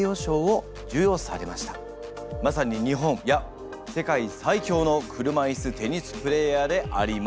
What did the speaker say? まさに日本いや世界最強の車いすテニスプレーヤーであります。